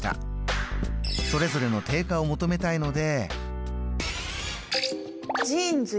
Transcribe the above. それぞれの定価を求めたいので。